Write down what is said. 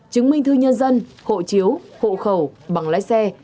chứng minh thư nhân dân hộ chiếu hộ khẩu bằng lái xe